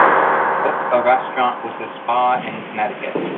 Book a restaurant with a spa in Connecticut